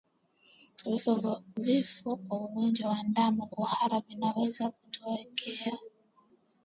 Vifo kwa ugonjwa wa ndama kuhara vinaweza kutokea